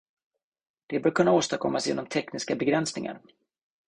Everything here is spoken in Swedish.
Det bör kunna åstadkommas genom tekniska begränsningar.